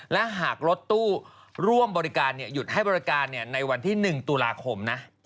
และหากรถตู้ร่วมบริการหยุดให้บริการในวันที่๑ตุลาคมนะ